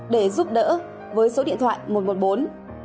để giúp đỡ với số điện thoại một trăm một mươi bốn